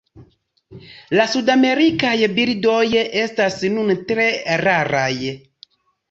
La sudamerikaj birdoj estas nune tre raraj.